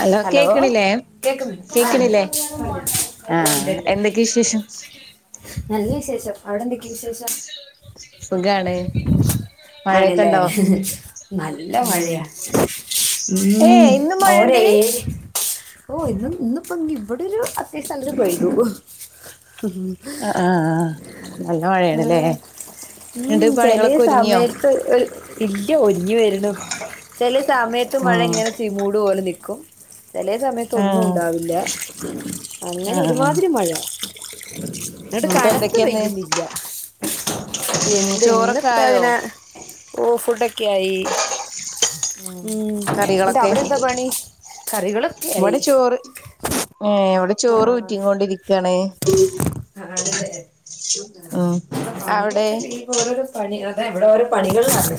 Hello കേക്കണില്ലേ കേൾക്കുന്നുണ്ട് ആ ഉണ്ട് കേക്കണില്ലേ ആ ഉണ്ട് പറഞ്ഞോ ഓ, ഉണ്ട് ഉണ്ട് എന്തൊക്കെയാശേഷം നല്ല വിശേഷം അവിടെ എന്തൊക്കെ വിശേഷം സുഖാണ് മഴയൊക്കെ ആണല്ലേ ഉണ്ടോ നല്ല ഉം മഴയാ ഉം ഏയ് ഇന്നും ഓരേ മഴണ്ട് ഓ ഇന്നും ഇന്നിപ്പോ ഇവിടെ ഒരു അത്യാവശ്യം [unintelligible] പേഴ്തു ആഹ് ആഹ് നല്ല ആ മഴയാണല്ലേ എന്നിട്ട് ഉം ചെലേ പണികളൊക്കെ ഒരുങ്ങിയോ സമയത്ത് ഒരു [unintelligible] ഇഞ്ഞ് വരുന്നു ചെല സമയത്ത് മഴ ഉം ഇങ്ങനെ ചിമൂട് പോലെ നിക്കും ചെല സമയത്ത് ഒന്നും ആഹ് ഉണ്ടാവില്ല ആഹ് അങ്ങനൊരുമാതിരി മഴ ങ്ങട് എന്നിട്ട് കനത്ത് എന്തൊക്കെയാന്ന് പെയ്യുന്നില്ല ഉം ഇന്ന് ചോറൊക്കെ ആയോ ഇപ്പാങ്ങനെ ഓ ഫുഡൊക്കെ ആയി ഉം ന്ന്ട്ട് കറികളൊക്കെ അവിടെ ന്താ പണി കറികളൊക്കെ ആയി ഏ അവിടെ ചോറ് ഊറ്റിങൊണ്ടിരിക്കാണ് ആണ്ല്ലേ ഉം അ അവിടെ പണികളൊക്കെ കഴിയുമ്പ ഓരോരോ പണികളാ ഇപ്പ ഇവിടെ ഒരു പണികളിലാണ്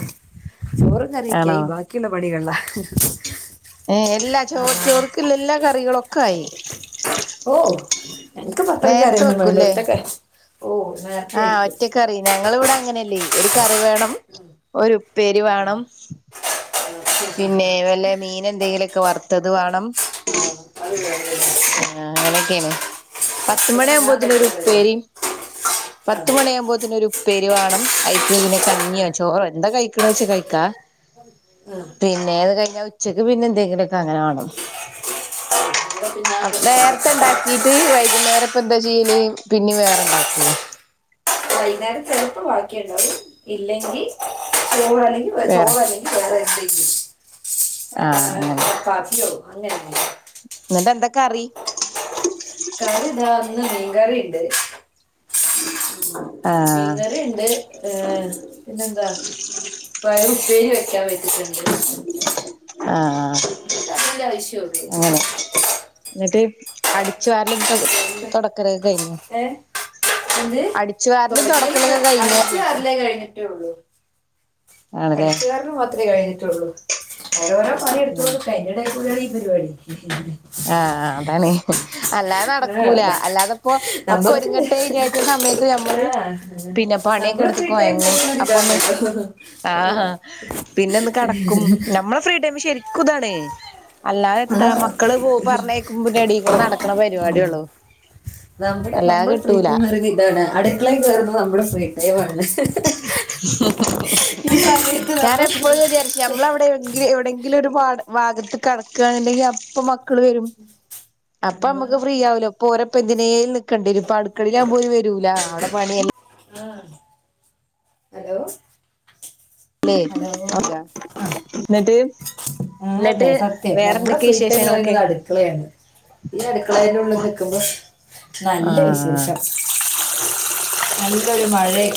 ചോറും കറികളൊക്കെ ആണോ ആയി ബാക്കി ഉള്ള പണികളില ങ്‌ ഇല്ല ചോചോറ്ക്ക്‌ ള്ളഎല്ലാ കറികളൊക്കായി ഓ എനിക്ക് അത്രക്കൊ കറിയൊന്നുംവേണ്ട ഒറ്റക്കലെ ആ ഒറ്റ കറി ഞങ്ങളിവിടെ അങ്ങനെയല്ലെ ഒരു കറി വേണം ഒരു ഉപ്പേരി വാണം പിന്നെ വല്ല മീനെന്തെങ്കിലുക്കെ വറുത്തത് വേണം ആ, അത് വേണമല്ലേ? അങ്ങനെക്കെണ് ഓ, ഇവിടെ ഞാൻ പത്തുമണിവുമ്പോത്തിന് ഒരു കഴിക്കാറില്ല. ഉപ്പേരി ആ, പത്തുമണി ആവുമ്പോത്തിൻ ഒരു ഉപ്പേരി വാണം ആയിക് പിന്നെ ആ, കഞ്ഞിയോ ചോറോ കഴിക്കണച്ച കഴിക്ക ആ. പിന്നെ അത് കഴിഞ്ഞ ഉച്ചക്ക് പിന്നെന്തെങ്കിലൊക്കെ അങ്ങനെ വാണം [unintelligible] നേരത്തേണ്ടക്കിട്ട് വൈകുന്നേര പ്പാ ന്താ ചെയ്യല് പിന്നിം വേറെ ണ്ടാക്കോ വൈന്നേരം ചെലപ്പം വാക്കിണ്ടാകും ഇല്ലെങ്കിൽ ചോറാല്ലെങ്കിൽ വേറെ ചോറെല്ലെങ്കിൽ വേറെ എത്തെങ്കിലും ചപ്പാത്തിയോ അങ്ങനെ ന്നട്ടെന്താ കറി കറി താ ഇന്ന് മീൻ കറി ണ്ട് മീൻ ആഹ് കറി ണ്ട് ഏ പിന്നെന്താ പയർ ഉപ്പേരി വെക്കാൻ വച്ചിട്ടുണ്ട് ഇങ്ങനൊക്കെ ആ ആ അങ്ങനെ ന്നട്ട് അടിച്ചു വാരലും തോ എന്ത് തൊടക്കാലൊക്കെ കഴിഞ്ഞോ ഏ എന്ത് അടിച്ചു വാരലും തുടക്കൽ തൊടക്കലൊക്കെ കഴിഞ്ഞോ അടിച്ചു ചോയിക്കാ കറിലേ കഴിഞ്ഞിട്ടേ ഉള്ളൂ അടിച്ചു വാരല് മാത്രേ കയിഞ്ഞ്ട്ട് ള്ളൂ ഓരോരോ പണി ഉം എടുത്തോണ്ട് ക്ക അയിന്റെഡെകൂടേണ് ഈ പരിപാടി ആ ആ അതാണ് ങ്‌ ഹ് അത് അല്ലാതെ ആ, നടക്കൂല ന- അല്ലാതെപ്പം ഒക്കെ നമുക്ക് ഒരുങ്ങട്ടെ വിചാരിച്ചസമയത്ത് ഞമ്മള് ആ, പിന്നെ പണി അതൊക്കെ നമ്മുടെ ഇടുത്തു ഫ്രീ ഒന്ന് ടൈം എന്ന് കൊഴങ്ങും പറയുന്നത് അപ്പൊന്ന് ഇതാണല്ലോ ആ പിന്നൊന്ന് കടക്കും ഞമ്മള് ഫ്രീ ടൈം ശരിക്കുതാണ് അല്ലാതെ ആ, ത്താ മ ക്കളെ. പറഞ്ഞയ്ക്ന്നൂടെ നടക്കുന്ന പരിപാടി ള്ളൂ നമ്മടെ നമ്മളെ ഫ്രീ ടൈം പറയുന്നത് ഇതാണ് അടുക്കളേൽ കയറുന്നത് നമ്മുടെ ഫ്രീ ടൈം ആണ് ഈ സമയത്ത് ഞാന് നമ്മൾ എപ്പളുങ്ങനെ വിചാരിച്ചും ഞമ്മളെ വിടെ എവിടെങ്കിലും ഒരു പാട് ഭാഗത്ത് കടക്കാന്നുണ്ടെങ്കിൽ അപ്പം മക്കള് വരും പ്പന്തിനെങ്കിലൊക്കെ നിക്കണ്ടി വരും അടുക്കളീലവുമ്പോ ഓല് വരൂലഅവിടെ പണി അല്ലെ ആ ഹലോ ഹലോ ആ ന്നട്ട് ആ ന്ന് സത്യം നമ്മളെ ഫ്രീ ടൈംന്ന് വിശേഷങ്ങളൊക്കെ പറയുന്നത് അടുക്കളയാണ് ഈ അടുക്കളെന്റെ ഉള്ള് നികുമ്പോൾ നല്ല ആഹ് വിശേഷം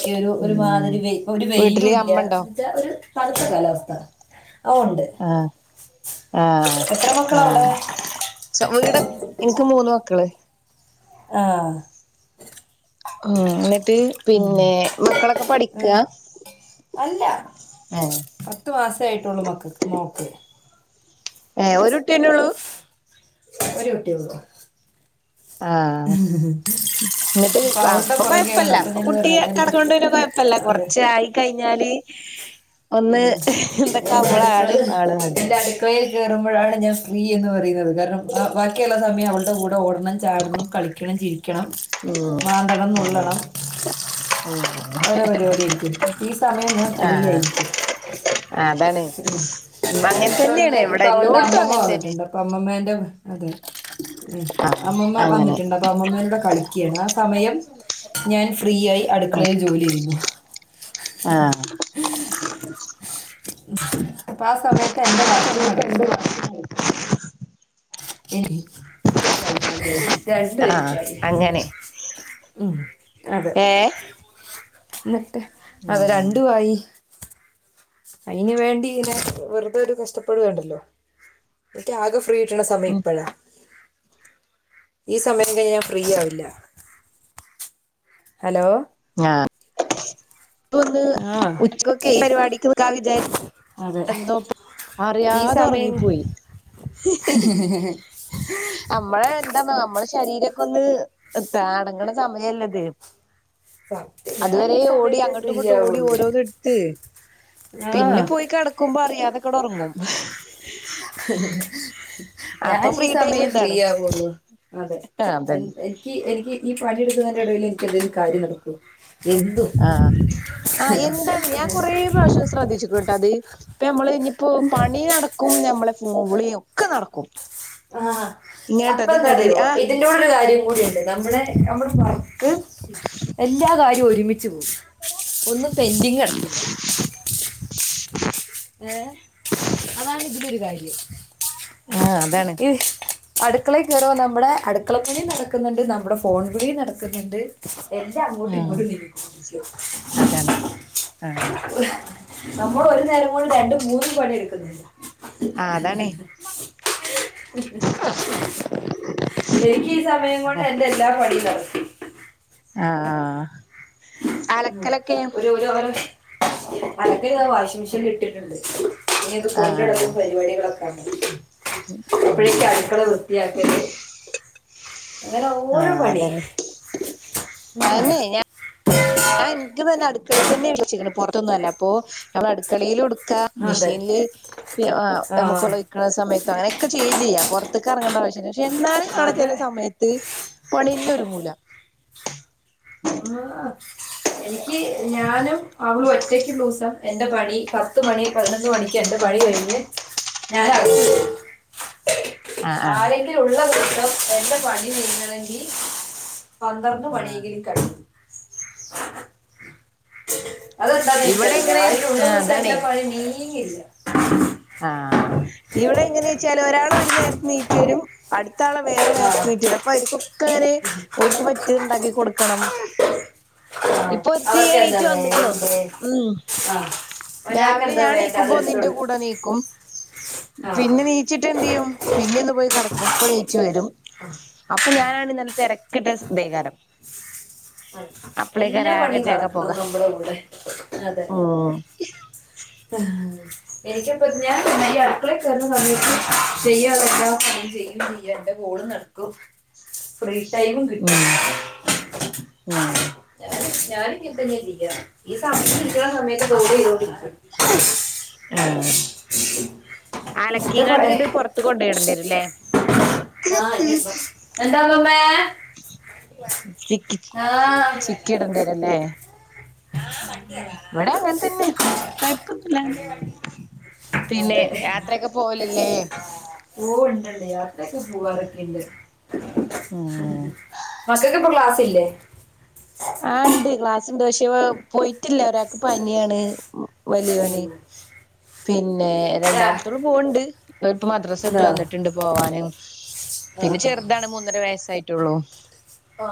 ഈ ഒരു ഒരു ഉം മാതിരി ഒരു വീട്ടില് വയ്ലുല്ല അമ്മണ്ടോ ന്നാ ച്ചാ ഒരു തണുത്ത കാലാവസ്ഥ ഓ ഉണ്ട് ആ എത്ര ആ മക്കളവിടെ സ്വന്തം വീട് എനിക്ക് മൂന്ന് മക്കള് ആ ഉം ന്നട്ട് പിന്നെ മക്കളോക്കെ ഉം. പഠിക്കാ അല്ല ആഹ് പത്ത് മാസം ആയിട്ടുള്ളു മോൾക് ഏ ഒരു കുട്ടിയന്നെ യുള്ളൂ ഒരു കുട്ടിയുള്ളൂ ങ്‌ഹ് ഹ് ന്നട്ട്ആ ഇപ്പ കൊയപ്പല്ല ഇപ്പ ഞാൻ കുട്ടി പറഞ്ഞല്ലേ കടക്കുന്നുണ്ട് കൊയപ്പല്ല അതെ കൊറച്ച് ആയി കയിഞ്ഞ ഞാാന് [inaudible] ഉ എന്റെ അടുക്കളയി ആള് വേണ്ടത് എന്റെ അടുക്കളയിൽ കേയറു മ്പോഴാണ് ഞാൻ ഫ്രീ എന്ന് പറയുന്നത് കാരണം ബാക്കിയുള്ള സമയം അവളുടെ കൂടെ ഓടണം, ചാടണം, കളിക്കണം, ചിരിക്കണം, ഉം മാന്തണം, നുള്ളണം. ഓരോ പരിപാടി ആരിക്കും ഈ സമയം ഞാൻ ഫ്രീ ആയിരിക്കും. ആഅതാണ് അങ്ങനെ ഇപ്പൊ തന്നെയാണ് ഒന്ന് എവിടെ ഇപ്പൊ അവളുടെ എല്ലോടൊത്തും അമ്മമ്മ അങ്ങനെ തന്നെ ഉ ആഹ് അമ്മൂമ അങ്ങനെ വന്നിട്ടുണ്ട് അപ്പൊ അമ്മൂമാ കൂടെ കളിക്ക്യ ആ സമയം ഞാൻ ഫ്രീ ആയി അടുക്കളയിൽ ജോലി ചെയ്യുന്നു ആഹ് [inaudible] അപ്പൊ ആ സമയത്ത് എന്റെ വർക്ക് നടക്കും മ്മ് ആഹ് രണ്ടുപരിക്കല്ലേ അങ്ങനെ [unintelligible] ഉം അതെ ഏഹ് ന്നിട്ട് അത് രണ്ടു ഉം ആയി അയിന് വേണ്ടി ഇങ്ങനെ വെറുതെ ഒരു കഷ്ടപ്പെടുവേണ്ടല്ലോ ങ്ക് ആകെ ഫ്രീക്ട്ടണ സമയഇപ്പഴ ഈ സമയം കഴിഞ്ഞ ഞാൻ ഫ്രീ ആവില്ല ഹലോ ആഹ് ന്ന് ആ ഉച്ചൊക്കെ പരിപാടിക്ക വിചാരിച്ച [unintelligible] അതെ എന്തോ ഈ അറിയാതെ സമയം ഉറങ്ങിപ്പോയി നമ്മള് എന്താന്ന നമ്മുടെ ശരീര ന്ന് അടങ്ങണ സമയല്ലത് സത്യം ഞാൻ അതുവരെ ഈ ഓടി സമയത്തെ അങ്ങോട്ടും ഫ്രീ ഇങ്ങോട്ടും ഓടി ആവുള്ളൂ ഓരോന്നും എടുത്ത് ആ പിന്നെ പോയി കെടക്കുമ്പോ അറിയാതെക്കെ ഒറങ്ങും. ഹ് ഹ് ഹ് ഞാൻ അപ്പൊ ഈ ഫ്രീ ടൈം സമയം ഇതാണ് ഫ്രീയാവൊല്ലു അതെ അതന്നെ എനിക്ക് എനിക്ക് ഈ പണിയെടുക്കുന്നതിന്റെ ഇടയിൽ എനിക്ക്ന്തേിലും കാര്യ നടക്കൂ എന്തും ആഹ് ആഹ എന്താണ് ഞാൻ കൊറെ പ്രാവശ്യ ശ്രദ്ധിച്ചിക്ന്ന് ട്ടൊ അത് ഇപ്പ നമ്മള് ഇനിയിപ്പോ പണി നടക്കും നമ്മളെ ഫോമ്പുളിയ ഒക്കെ നടക്കും ആഹ് ഇങ്ങനെട്ടോ അപ്പൊ ഇതിന്റെ എന്താറയോ എടേല് ആഹ് ഇതിന്റെടെ ഒരു കാര്യം കൂ [inaudible] ടിുണ്ട് നമ്മളെ നമ്മുടെ വർക്ക് എല്ലാ കാര്യവും ഒരുമിച്ച് പോകവും ഒന്നും പെന്റിങ് കടക്കില്ല ഏ അതാണ് ഇതിലൊരു കാര്യം ആഹ് അതാണ് ഇഹ് അടുക്കളയിൽ കയറിവന്ന നമ്മുടെ അടുക്കളപ്പണി നടക്കുന്നുണ്ട് നമ്മുടെ ഫോൺ വിളി നടക്കുന്നുണ്ട് എല്ലാം അങ്ങോട്ടും ആഹ് ഇങ്ങോട്ടും നിക്കോ അതാണ് ആഹ് ആഹ് [unintelligible] നമ്മൾ ഒരു നേരം കൊണ്ട് രണ്ടും മൂന്നും പണി എടുക്കുന്ണ്ട് അതാണേ [unintelligible] [unintelligible] എനിക്ക് ഈ സമയം കൊണ്ട് അതാണ് എന്റെ എല്ലാ പണി നടക്കും. ആഹ് ഹ ഹ ഉം ഒരു [unintelligible] അലക്കൻ വാഷിംഗ മെഷീൻൽ ഇട്ടിട്ടുണ്ട് ഇനി ഇത് കൊണ്ടിടലും ആഹ് പരിപാടികളൊക്കെ ഉം അപ്പഴേക്ക് അടുക്കള വൃത്തിയാക്കേല് ഓരോ ആഹ് പണി അതന്നെ അന്നെ [unintelligible] അടുക്കള തന്നെ വച്ക്കണ് പുറത്തൊന്നും അല്ല അപ്പോ നമ്മൾ അടുക്കളയിലു [unintelligible] അതെ മെഷീനിൽ ആ നമുക്ക് ഉളിക്കുന്ന സമയത്ത് അങ്ങനെയൊക്കെ ചെയ്യേ ചെയ്യാം പുറത്തൊക്കെ ഇറങ്ങണ്ട പക്ഷെ എന്നാലും കാണ അത് ചെല സമയത്ത് പണിന്നെഒരുങ്ങുല. ആ എനിക്ക് ഞാനും അവളും ഒറ്റയ്ക്ക് [unintelligible] ദിവസം എന്റെ പണി പത്ത് മണി പതിനൊന്ന് മണിക്ക് എന്റെ പണി കഴിഞ്ഞ് ഞാന് [inaudible] ആഹ് ആഹ് ആരെങ്കില ഉള്ള ദിവസം എന്റെ പണി നീങ്ങണെങ്കിൽ പന്ത്രന്ന് ആഹ് മണിയെങ്കിലും കഴിയും ഇവിടെ അതെന്താനിക്കറീല്ല എങ്ങനെ ആരേലും ഉള്ള ആഹ് ദിവസം എന്റെ പണി നീങ്ങില്ല ആഹ ഇവിടെ എങ്ങനെച്ചാല് ഒരാൾ ഒരു നേരത്ത് നീറ്റ് വരും അട് ത്താള് വേറെ ആ നേരത്ത് നീറ്റ് വരും അപ്പൊ നിക്കു ക്കെന് ഓര്ക്ക് പറ്റിയത്ണ്ടാക്കി കൊടുക്കണം ആ. ഇപ് പൊരുത്തി അവർക്ക് എന്താ എണീറ്റ് വന്ന്ക്ക്ണു വേണ്ടേ ഉം ആ ഒരാൾക്ക് രാവിലെ എന്താ ഞാൻ വേണ്ട അത് നീക്കുമ്പോ നിന്റെ എടുത്തോളൂ കൂടെ നീക്കും ആ പിന്നെ നീച്ചിട്ട് എന്തെയ്യും. പിന്നെ ഒന്ന് പോയി കടക്കും. ഇപ്പൊ നീച്ചു വരും അപ്പൊ പ്പൊ ഞാനാണ് ഇന്നൽ തെരക്ക്ട്ട സ് ദൈക്കാരം എല്ലാ പണിയും നടക്കണം. നമ്മളെ കൂടെ അതെ ഉം അ ഹാ എനിക്കപ്പ ഞൻ ഈ അടുക്കളെ കേറ്ണ സമയത്ത് ചെയ്യാ [inaudible] ചെയ്യും ചെയ്യ എൻ്റെ കൂ കോളും നടക്കും. ഫ്രീ ടൈമും കിട്ടും. ഉം ഉം ഞാനും ഇങ്ങൻ തന്നാ ചെയ്യാ. ഈ സമയ കിട്ടാ പറഞ്ഞേച്ചാ [unintelligible] ആഹ് എന്റെ അലക്കിങ്ങാണ്ട് ഇത് പുൊറത്ത് കൊണ്ടയിടേണ്ടിരല്ലേ ആഹ് എന്നിപ്പം എന്താമ്മമ്മേ ചിക്കി ചി ചിക്കിടേണ്ടിരല്ലേ ആ ബ ഇവടെ അങ്ങൻതന്നെ. കൊഴപ്പൊൻന്നുല്ല. ൻ പിന്നെ അതെ യാത്രയാക്കെ പോവലില്ലേ ഓ ണ്ട് ണ്ട് യാത്രയൊക്കെ പോവാറക്കെണ്ട്. ഉം മക്കക്ക് ഇപ്പൊ ക്ലാസില്ലേ ആ ണ്ട്. ക്ലാസ്ണ്ട്. പക്ഷെ ഓ പോയിട്ടില്ല ഒരാക്ക് അനിയാണ് മ് ഓ വലിയോന്. പിന്നെ ആ. രണ്ടാമത്തോൾ പോവ്ണ്ട്. ഇപ്പ മദ്രാസ ഇട്ട് ആ, വന്നിട്ടുണ്ട് പോവാന്. ആ, പിന്നെ ആ. ചെറുതാണ് മൂന്നര വയസ്സായിട്ട് റ്റ് ള്ളൂ ആ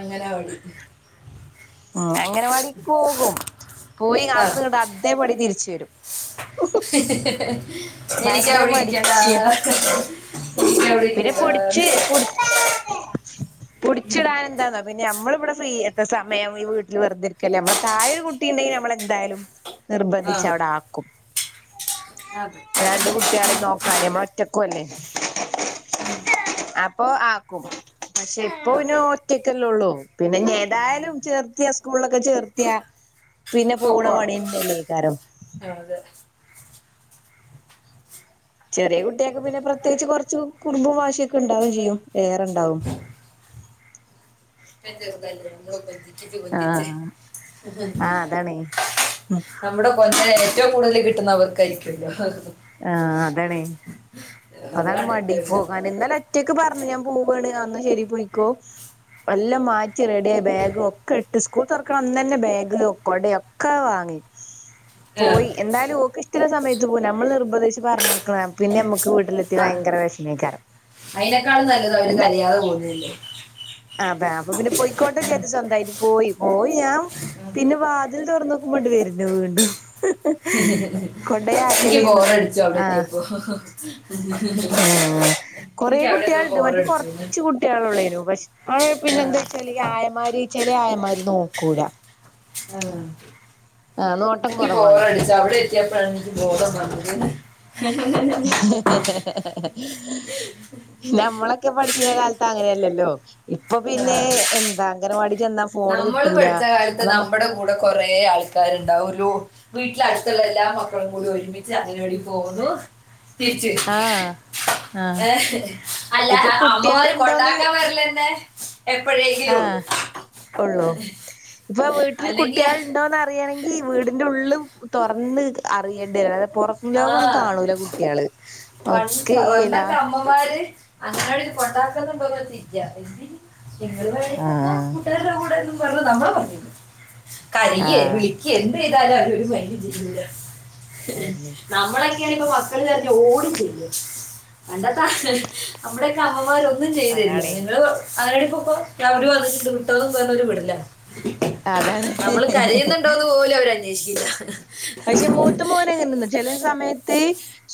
അങ്ങനാവടീ ആ അങ്ങനവാടിപോകും. പോയി ആ. അവിട്ന്ന് ങ്ങട്ട് അതേപടി തിരിച്ച് വരും. ഹ ഹ ഹ എനിക്കാ ഭയങ്കര അടരിക്കണ്ടാ മടിച്ചിയാ ഹ ഹ പിന്നെ പൊടിച്ച് പൊടി പൊടിച്ചിടാൻ എന്താന്നോ പിന്നെ അമ്മള് നമ്മടെ ഫ്രീ എ സമയം ഈ വീട്ടില് വെറ്‌തേരിക്കല്ലേ നമ്മളെ തായൊരു കുട്ടിണ്ടെങ്കി നമ്മളെന്തായാലും ആ നിർബന്ധിച്ച് അവ്ടെ ആക്കും അതെ രണ്ട് കുട്ട്യാളിം നോക്കാന്. മ്മളൊ റ്റക്കൂ അല്ലെ. ഉം അപ്പൊ ആക്കും. പക്ഷെ ഇപ്പൊ നൊ അതെ ഒറ്റക്കല്ലള്ളൂ പിന്നെ ഞ്ഞ് ഏതായാലും ചേർത്തിയ സ്ക്കൂൾലൊക്കെ ചേർത്തിയ പിന്നെ പൂണ പൊക്കോണം പണിയന്നല്ലേക്കാരം ആ, അതെ ചെറിയ കുട്ട്യേക്ക് പിന്നെ പ്രത്യേകിച്ച് കൊറച്ച് കുറുമ്പും വാശിയൊക്കെണ്ടാവുംചെയ്യും. ഏറണ്ടാവും [unintelligible] കൊഞ്ചിപ്പിച്ച് കൊഞ്ചിച്ച് ആഹ് [unintelligible] ആഹ് അതാണ് നമ്മുടെ കൊ [inaudible] ഏറ്റവും കൂടുതൽ കിട്ടുന്ന അവർക്കായിരിക്കും. ഹാ ആ അതണേ അതാണ് മടി. പോകാന് ഇന്നലെ റ്റയ് ക്ക് പർഞ്ഞ് ഞാൻ പോവാണ് ആ ന്നാ ശരി പൊയ്ക്കോ എല്ലാം മാറ്റി റെഡിയായി ബേഗ് ഒക്കെ ഇട്ട് സ്കൂൾ തൊറക്ക്ണ അന്നന്നെ ബാഗ്, കൊട ഒക്ക വാങ്ങ് മ് പോയി ഒരു- എന്തായാലും ഓക്ക് ഇഷ്ടള്ള സമയത്ത് പോ വല്ലാതെ മ്മൾ നിർബന്ധിച്ച് പറഞ്ഞേക്ണെ പിന്നെമ്മക്ക് ക്ക് വീട്ടിലെത്തിയാ വയങ്കര വെഷ്മേക്കാരം. അയിനെക്കാളും നല്ലത് അവര് കരിയാതെ പോകുന്നേല്ലേ അതെ അ അപ്പൊ പിന്നെ പൊയിക്കോട്ടെ വിചാര്ച്ച് സ്വന്തായിട്ട് പോയി. പോയി ഞാൻ പിന്നെ വാതിൽ തൊർന്നോക്കു മ്പൊണ്ട് വര്ന്ന ണ്ടൊ വീണ്ടും ഹ് ഹ് ഹേ കൊണ്ട യാക്കെ എനിക്ക് ലേര്ന്നു ബോറടിച്ചു അവിടെ ആ എത്തിയപ്പോ ആ കൊറേ എനിക്ക് അവിടെ എത്തിയപ്പോ കുട്ട്യാൾണ്ട്. മറ്റേ ബോറടിച്ചു കൊറച്ച് കുട്ട്യാളൊള്ളേനു പഷ് [unintelligible] പിന്നെന്തെ ചെലേ ഈ ആയമാര് ചെലെ ആയമ്മാര് നോക്കൂല ആ ആഹ് നോട്ടം എനിക്ക് കൊറവാണ് ബോറടിച്ച അവിടെ എത്തിയപ്പാണ് ബോധം വന്നത് നമ്മള ക്കെ പഠിചീന കാലത്ത് അങ്ങനെയല്ലല്ലോ ഇപ്പൊ പിന്നെ എന്താ അങ്കനവാടി നമ്മള് പഠിച്ച കാലത്ത് നമ്മുടെ കൂടെ കൊറേ ആൾക്കാരുണ്ടാവും ഒരു ലോ വീട്ടിലെ അടുത്തുള്ള എല്ലാ മക്കളും കൂടി ഒരുമിച്ച് അങ്കനവാടി പോകുന്നു തിരിച്ച് ആഹ് ആഹ് ഏഹ് അല്ല ഇപ്പൊ കുട്ടികൾ അമ്മമാർ ഉണ്ടോന്ന് കൊണ്ടാക്കാൻ വരലന്നെ എപ്പഴെങ്കിലു ഉള്ളൂ ഉള്ളോ ഇപ്പൊ വീട്ടില് അല്ലെങ്കി കുട്ടികൾ ഉണ്ടോന്നറിയാ ണെങ്കി വീടിന്റെ ഉള്ള് തൊറന്ന് അറിയേണ്ടി വരും പൊറം ആ ലോക ഒന്നും കാണൂല കുട്ടികള് ഒക്കെ ഈ ലാ അങ്കനവാടിയിൽ കൊണ്ടാക്കുന്നുണ്ടോന്ന് ചോദിച്ച ഇല്ല എന്തിന് നിങ്ങള് വേണേയ് പൊക്കോ ആഹ് കൂട്ടുകാരുടെ കൂടെ പറഞ്ഞ് നമ്മളെ നമ്മളെ പറഞ്ഞ് വിടും കരയേ ആഹ് വിളിക്കേ എന്ത് ചെയ്താലും അവര് ഒരു മൈന്റും ചെയ്യൂല അതന്നെ നമ്മളൊക്കെയണെ ഇപ്പൊ മക്കള് കരഞ്ഞ ഓടിച്ചെല്ലും. വേണ്ടാത്ത നമ്മടൊക്കെ അമ്മമാരൊന്നും ചെയ്ത് തരില്ല അതാണേ നിങ്ങള് അ [unintelligible] ഇപ്പപ്പം [unintelligible] വിടില്ല നമ്മള് അതാണ് കരയുന്നുണ്ടോന്ന് പോലും അവര് അന്വേഷിക്കില്ല പക്ഷെ മൂത്ത മോനെ അങ്ങനെ നിർ ചെല സമയത്ത്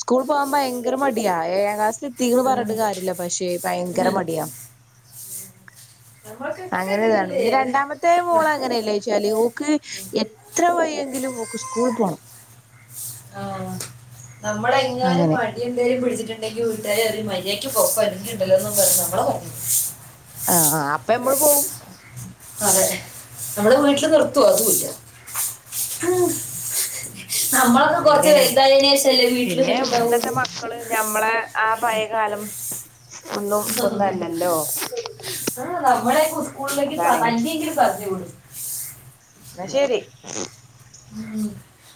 സ്കൂൾ പോവാൻ ഭയങ്കര മടിയാ ഏഴാക്ലാസിൽ ത്തീക്കണ ഉം. പറഞ്ഞിട്ട് കാര്യയില്ല പക്ഷേ ഭയങ്കര മടിയാ നമ്മൾക്കൊക്കെ അങ്ങനെ ഇതാണ് അങ്ങനെയല്ലേ പിന്നെ രണ്ടാമത്തെ മോള് ന- അങ്ങനെയല്ല ഇശാല് ഓക്ക് എത്ര വയ്യെങ്കിലും ഓ ക്ക്‌ സ്കൂൾ പോണം ആഹ് നമ്മളെങ്ങാനും അങ്ങനെ മടി എന്തേലും പിടിച്ചിട്ട് ണ്ടെങ്കി വീട്ടാര് പറയും മര്യാക്ക് പൊക്കൊ ഇല്ലെങ്കി ഉണ്ടല്ലോന്ന് പറഞ്ഞ് നമ്മളെ നോക്കും ആഹ് ആ അപ്പെ നമ്മള് പോവും അതെ നമ്മള് വീട്ടില് നിർത്തുവോ അതു ഇല്ല ആ അതങ്ങനെ വീട്ടിൽ പിന്നെ ഇന്നത്തെ നിന്നിട്ടുണ്ടാവുള്ളൂ മക്കള് ഞമ്മളെ ആ പഴയ കാലം ഒന്നും ഒന്നുവല്ലല്ലോ നമ്മളെയൊക്കെ ഉസ്കൂളിലേക്ക് പ തല്ലിയെങ്കിലും പറഞ്ഞ് വിടും എന്നാ ശരി ഉം